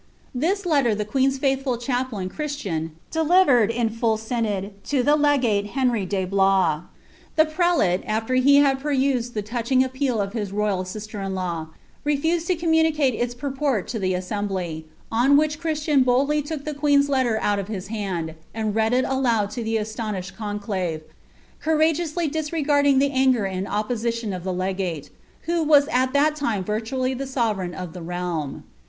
This letter the queen's faithful chaplain. Christian, delivered, in M synod, lo the legale Henry de Bloia. The prelale, after he had |)erniri the touching appeal of his royal slster in luw, refused to eoinmunicste its purport to the assembly ; on which Christian boldly look the quentV letter out of his hand, and read it aloud to the astonished cnnclaTO courageously disregarding the auger and opposition of the legate, wbu was at that time virtually the sovereign of the realm.